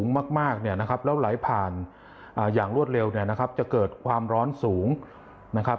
มากเนี่ยนะครับแล้วไหลผ่านอย่างรวดเร็วเนี่ยนะครับจะเกิดความร้อนสูงนะครับ